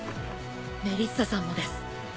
メリッサさんもです。